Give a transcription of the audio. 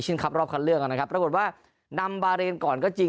เอเชนคัปรอบคันเรื่องนะครับปรากฏว่านำบารีนก่อนก็จริง